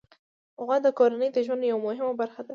غوا د کورنۍ د ژوند یوه مهمه برخه ده.